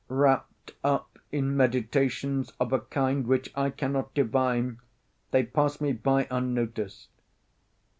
Wrapped up in meditations of a kind which I cannot divine, they pass me by unnoticed.